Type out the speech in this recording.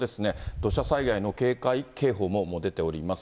土砂災害の警戒警報ももう出ております。